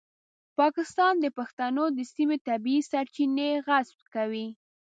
پاکستان د پښتنو د سیمې طبیعي سرچینې غصب کوي.